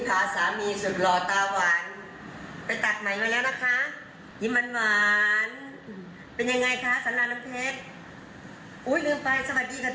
ตาจะหวานกว่าเดิมนะครับ